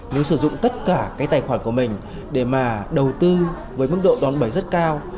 nếu sử dụng tất cả cái tài khoản của mình để mà đầu tư với mức độ đòn bẩy rất cao